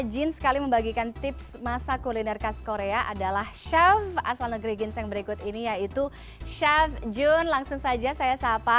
jal jenis saya tiffany jal jenis saya